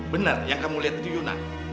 benar yang kamu lihat itu yuna